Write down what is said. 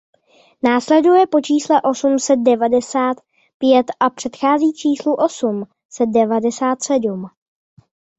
Následuje po čísle osm set devadesát pět a předchází číslu osm set devadesát sedm.